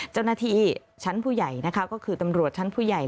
เจ้าหน้าที่ชั้นผู้ใหญ่นะคะก็คือตำรวจชั้นผู้ใหญ่